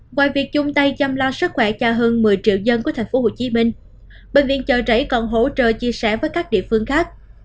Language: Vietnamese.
ngoài việc chung tay chăm lo sức khỏe cho hơn một mươi triệu dân của tp hcm bệnh viện chợ rẫy còn hỗ trợ chia sẻ với các địa phương khác